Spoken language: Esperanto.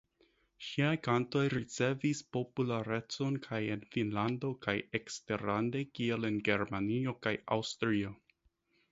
Ŝiaj kantoj ricevis popularecon kaj en Finnlando kaj eksterlande kiel en Germanio kaj Aŭstrio.